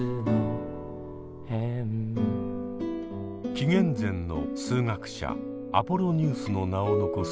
紀元前の数学者アポロニウスの名を残す